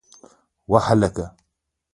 وه هلکه!